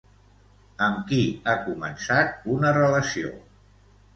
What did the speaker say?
Amb qui ha començat una relació.